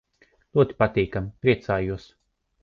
Ļoti patīkami. Priecājos.